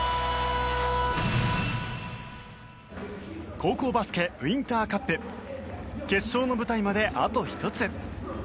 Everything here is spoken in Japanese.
高校バスケ・ウインターカップ決勝の舞台まであと１つ。